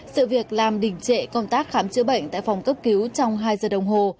sự việc làm đỉnh trệ công tác khám chữa bệnh tại phòng cấp cứu trong hai giờ đồng hồ